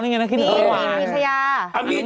มีมีทะยา